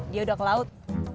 dia udah ke laut